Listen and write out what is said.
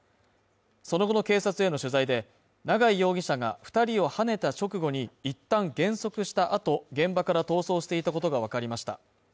その後の警察への取材で、長井容疑者が２人をはねた直後に、いったん減速した後、現場から逃走していたことがわかりました。